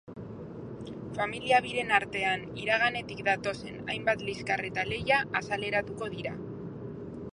Familia biren artean iraganetik datozen hainbat liskar eta lehia azaleratuko dira.